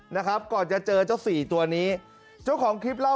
นะครับก่อนจะเจอเจ้าสี่ตัวนี้เจ้าของคลิปเล่า